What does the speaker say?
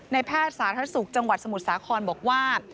แพทย์สาธารณสุขจังหวัดสมุทรสาครบอกว่า